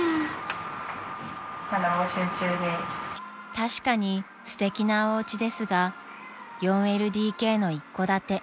［確かにすてきなおうちですが４ＬＤＫの一戸建て］